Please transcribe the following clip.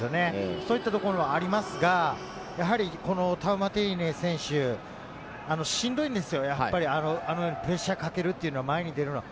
そういったこともありますが、やはりタウマテイネ選手、しんどいんですよ、あのようにプレッシャーをかけるというのは、前に出るのは。